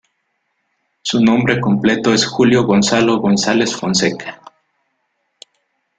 Su nombre completo es Julio Gonzalo González Fonseca.